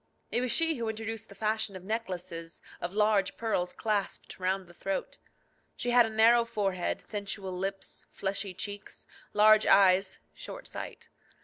It was she who introduced the fashion of necklaces of large pearls clasped round the throat. She had a narrow forehead, sensual lips, fleshy cheeks, large eyes, short sight.